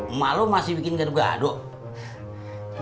emak lo masih bikin gaduh gaduh